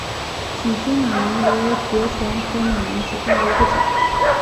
曲茎马蓝为爵床科马蓝属下的一个种。